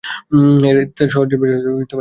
এতে তার সহশিল্পী ছিল মাহফুজ আহমেদ।